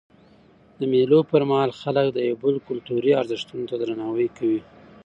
د مېلو پر مهال خلک د یو بل کلتوري ارزښتو ته درناوی کوي.